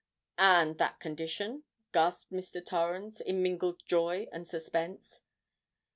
"And that condition?" gasped Mr. Torrens, in mingled joy and suspense.